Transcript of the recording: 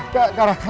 tadi karas sana